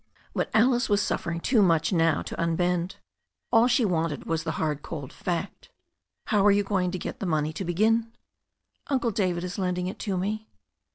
But Alice was suffering too much now to unbend. All she wanted was the hard cold fact. "How are you going to get the money to begin ?" "Uncle David is lending it to me."